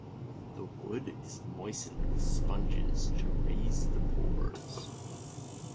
The wood is moistened with sponges to raise the pores.